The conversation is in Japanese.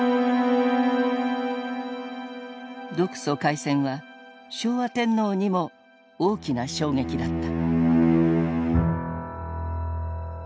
独ソ開戦は昭和天皇にも大きな衝撃だった。